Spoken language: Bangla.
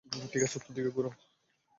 ঠিক আছে, উত্তর দিকে ঘোরাও।